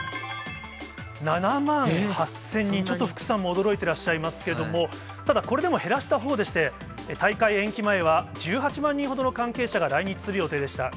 ７万８０００人、ちょっと福さんも驚いてらっしゃいますけれども、ただ、これでも減らしたほうでして、大会延期前は１８万人ほどの関係者が来日する予定でした。